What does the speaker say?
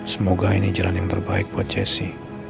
semoga ini jalan yang terbaik buat cessy